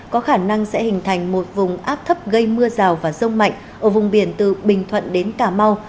có khả năng sẽ hình thành một vùng áp thấp gây mưa rào và rông mạnh ở vùng biển từ bình thuận đến cà mau